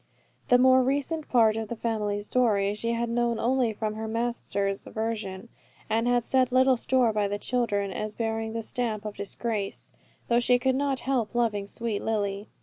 The more recent part of the family story she had known only from her master's version, and had set little store by the children as bearing the stamp of disgrace; though she could not help loving sweet Lily.